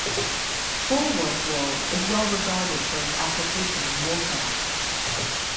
Polwarth wool is well regarded for its application in woolcraft.